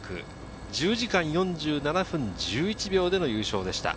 １０時間４７分１１秒での優勝でした。